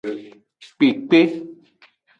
Kpekpe.